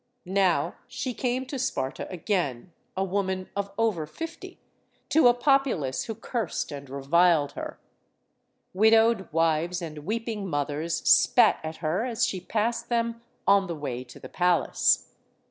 Now she came to Sparta again, a woman of over fifty, to a populace who cursed and reviled her. Widowed wives and weeping mothers spat at her as she passed them on the way to the palace.